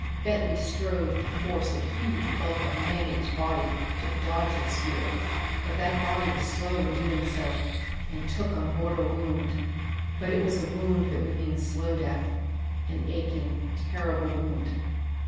Bentley strove to force the huge bulk of Manape's body to dodge the spear; but that body was slow in doing so and took a mortal wound! But it was a wound that would mean slow death. An aching, terrible wound.